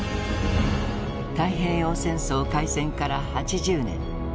太平洋戦争開戦から８０年。